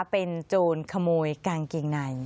เป็นโจรขโมยกางเกงใน